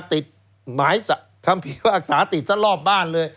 ติดหมายความผิดว่าอักษาติดสั้นรอบบ้านเลย